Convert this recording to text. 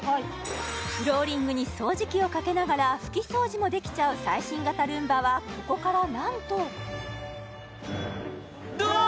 フローリングに掃除機をかけながら拭き掃除もできちゃう最新型ルンバはここからなんとどわあっ！